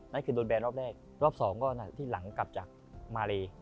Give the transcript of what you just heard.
เนี่ยคือโดนแบรนด์รอบแรกรอบ๒ก็หน่าที่หลังกลับจากมาเล